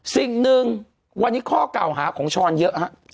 สิ่งหนึ่งวันนี้ข้อเก่าหาของช้อนเยอะฮะ